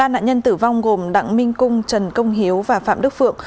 ba nạn nhân tử vong gồm đặng minh cung trần công hiếu và phạm đức phượng